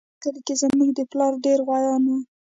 په دې کلي کې زموږ د پلار ډېر غويان وو